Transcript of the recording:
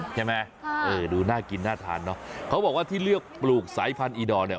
ใช่ไหมเออดูน่ากินน่าทานเนอะเขาบอกว่าที่เลือกปลูกสายพันธีดอนเนี่ย